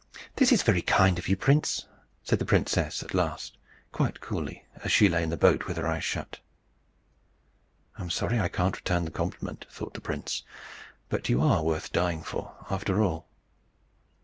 "This is very kind of you, prince," said the princess at last, quite coolly, as she lay in the boat with her eyes shut. "I am sorry I can't return the compliment," thought the prince; "but you are worth dying for, after all."